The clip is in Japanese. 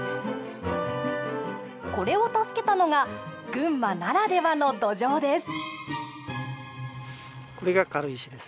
これを助けたのが群馬ならではの土壌です。